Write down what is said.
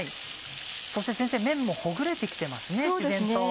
そして先生麺もほぐれて来てますね自然と。